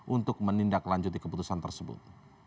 untuk menindaklanjuti keputusan tersebut